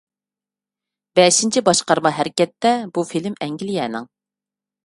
«بەشىنچى باشقارما ھەرىكەتتە»، بۇ فىلىم ئەنگلىيەنىڭ.